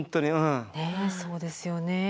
そうですよね。